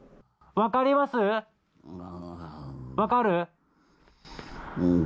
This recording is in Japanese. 分かる？